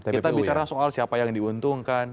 kita bicara soal siapa yang diuntungkan